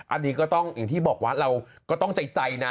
อันนี้ก็ต้องอย่างที่บอกว่าเราก็ต้องใจนะ